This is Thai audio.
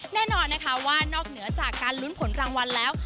แน่นอนนะคะว่านอกเหนือจากการลุ้นผลรางวัลแล้ว